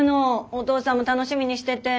お父さんも楽しみにしてて。